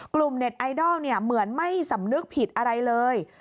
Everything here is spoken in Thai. เน็ตไอดอลเหมือนไม่สำนึกผิดอะไรเลย